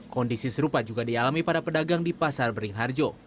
kondisi serupa juga dialami para pedagang di pasar beringharjo